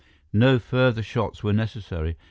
No further shots were necessary.